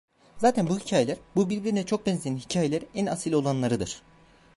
Zaten bu hikayeler, bu birbirine çok benzeyen hikayeler en asil olanlarıdır.